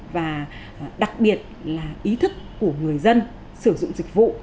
và đặc biệt là ý thức của người dân sử dụng dịch vụ